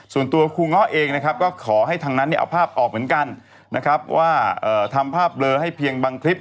ส่วนตัวครูเงาะเองนะครับก็ขอให้ทางนั้นเนี่ยเอาภาพออกเหมือนกันนะครับว่าทำภาพเบลอให้เพียงบางคลิป